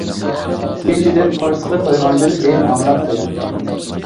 ئىككىنچىدىن قورسىقى تويغاندىن كېيىن ھاڭراپ قوياتتى.